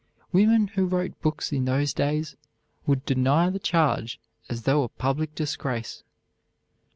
Women who wrote books in those days would deny the charge as though a public disgrace.